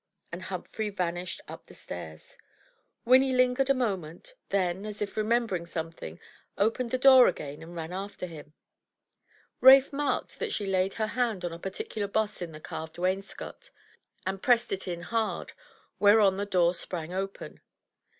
And Humphrey vanished up the stairs. Winifred lingered a moment; then, as if remembering something, opened the door again and ran after him. Ralph marked that she laid her hand on a particular boss in the carved wainscot, and pressed it in hard, whereon the door sprang open.